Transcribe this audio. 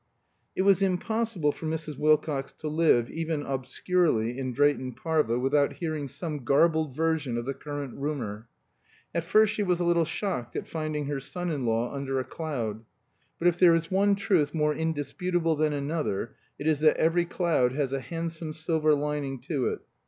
It was impossible for Mrs. Wilcox to live, even obscurely, in Drayton Parva without hearing some garbled version of the current rumor. At first she was a little shocked at finding her son in law under a cloud. But if there is one truth more indisputable than another, it is that every cloud has a handsome silver lining to it.